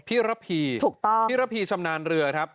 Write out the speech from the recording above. พี่ระพีถูกต้องพี่ระพีชำนาญเรือครับ